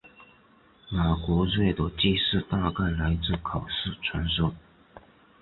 马格瑞的记述大概来自口述传说。